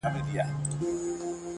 او همدغه موزونیت دی -